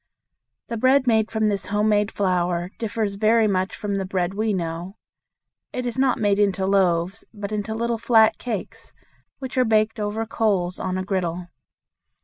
The bread made from this home made flour differs very much from the bread we know. It is not made into loaves, but into little flat cakes, which are baked over coals on a griddle.